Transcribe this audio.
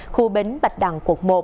khu bến bạch đằng quận một